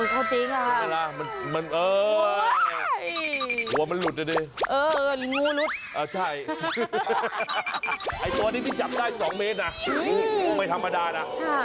เขาจริงอ่ะหัวมันหลุดแล้วดิใช่ไอ้ตัวนี้ที่จับได้๒เมตรไม่ธรรมดานะ